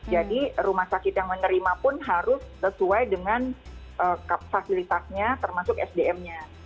jadi rumah sakit yang menerima pun harus sesuai dengan fasilitasnya termasuk sdm nya